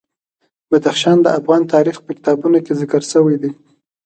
بدخشان د افغان تاریخ په کتابونو کې ذکر شوی دي.